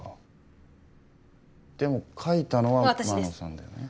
でも書いたのは真野さんだよね。